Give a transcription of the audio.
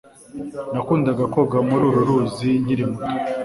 nakundaga koga muri uru ruzi nkiri muto